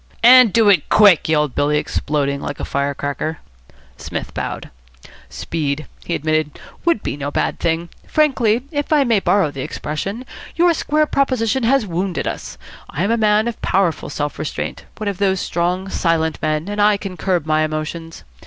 "And do it quick," yelled Billy, exploding like a fire cracker. Psmith bowed. "Speed," he admitted, "would be no bad thing. Frankly if I may borrow the expression your square proposition has wounded us. I am a man of powerful self restraint, one of those strong, silent men, and I can curb my emotions.